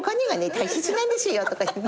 大切なんですよ」とか。